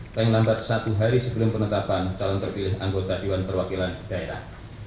paling lambat satu hari sebelum penetapan calon terpilih anggota dewan perwakilan daerah